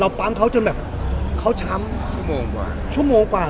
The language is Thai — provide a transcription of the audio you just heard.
ปั๊มเขาจนแบบเขาช้ำชั่วโมงกว่าชั่วโมงกว่า